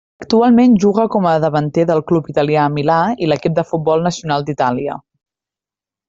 Actualment juga com a davanter del club italià Milà i l'equip de futbol nacional d'Itàlia.